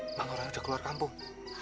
emang orang sudah keluar kampung